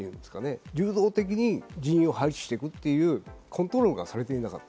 流動的に人員を配置していくというコントロールがされていない。